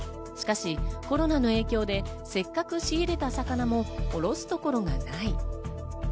しかし、コロナの影響でせっかく仕入れた魚も卸すところがない。